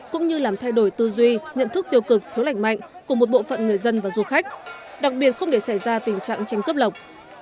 cũng như làm thay đổi tư duy nhận thức tiêu cực thiếu lạnh mạnh của một bộ phận người dân và du khách đặc biệt không để xảy ra tình trạng tranh cướp lọc